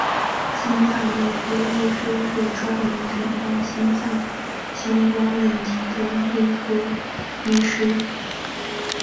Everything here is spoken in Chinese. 心脏内科医师是专门诊断心脏相关问题的内科医师。